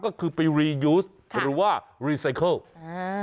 ก็คือไปรียูสหรือว่ารีไซเคิลอ่า